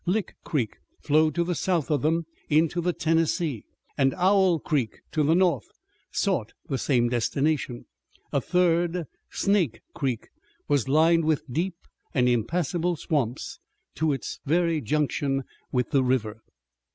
Lick Creek flowed to the south of them into the Tennessee, and Owl Creek to the north sought the same destination. A third, Snake Creek, was lined with deep and impassable swamps to its very junction with the river.